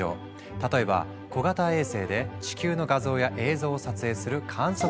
例えば小型衛星で地球の画像や映像を撮影する観測サービス。